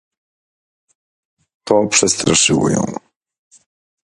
"To przestraszyło ją."